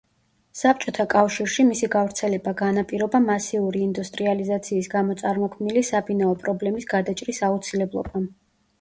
საბჭოთა კავშირში მისი გავრცელება განაპირობა მასიური ინდუსტრიალიზაციის გამო წარმოქმნილი საბინაო პრობლემის გადაჭრის აუცილებლობამ.